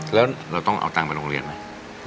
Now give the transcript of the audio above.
แล้วเราต้องเอาตังค์ไปโรงเรียนไหม